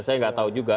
saya enggak tahu juga